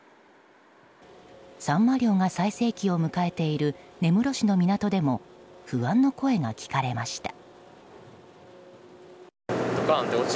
サンマ漁が最盛期を迎えている根室市の港でも不安の声が聞かれました。